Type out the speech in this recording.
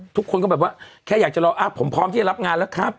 ทุกคนก็แบบว่าแค่อยากจะรอผมพร้อมที่จะรับงานแล้วครับ